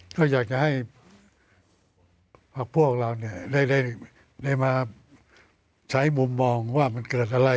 ก็อยากจะให้พักพวกเราได้มาใช้มุมมองว่ามันเกิดอะไร